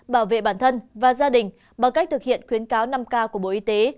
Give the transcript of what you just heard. bảo vệ bản thân và gia đình bằng cách thực hiện khuyến cáo năm k của bộ y tế